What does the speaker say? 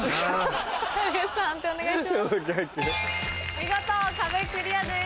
見事壁クリアです。